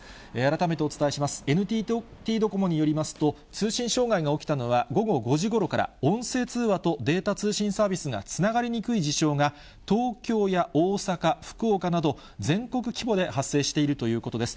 ＮＴＴドコモによりますと、通信障害が起きたのは午後５時ごろから、音声通話とデータ通信サービスがつながりにくい事象が東京や大阪、福岡など全国規模で発生しているということです。